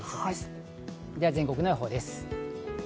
では、全国の予報です。